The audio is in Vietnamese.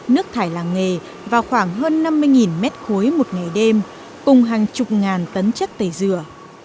nước thải làng nghề vào khoảng hơn năm mươi m ba một ngày đêm cùng hàng chục ngàn tấn chất tẩy dừa